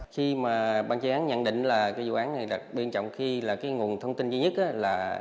khi mà ban chế án nhận định là cái vụ án này đặc biên trọng khi là cái nguồn thông tin duy nhất là